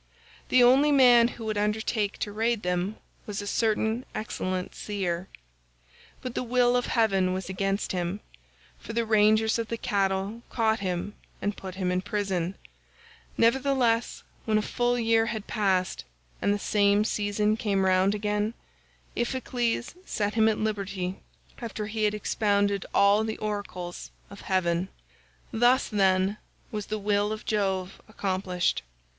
The only man who would undertake to raid them was a certain excellent seer,95 but the will of heaven was against him, for the rangers of the cattle caught him and put him in prison; nevertheless when a full year had passed and the same season came round again, Iphicles set him at liberty, after he had expounded all the oracles of heaven. Thus, then, was the will of Jove accomplished.